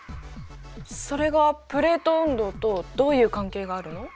それがプレート運動とどういう関係があるの？